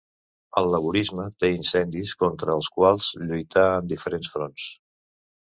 El laborisme té incendis contra els quals lluitar en diferents fronts.